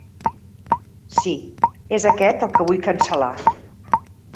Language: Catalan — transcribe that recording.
Sí, és aquest el que vull cancel·lar.